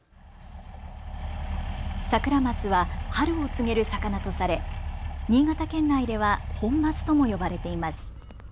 サクラマスは春を告げる魚とされ新潟県内では本ますとも呼ばれています。